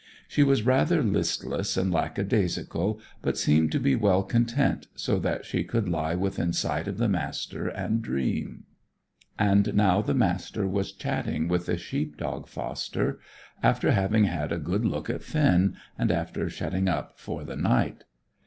She was rather listless and lackadaisical, but seemed to be well content so that she could lie within sight of the Master and dream. And now the Master was chatting with the sheep dog foster, after having had a good look at Finn, and before shutting up for the night.